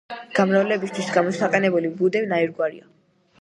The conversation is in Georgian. გამრავლებისათვის გამოსაყენებელი ბუდე ნაირგვარია.